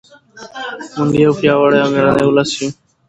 موږ یو پیاوړی او مېړنی ولس یو.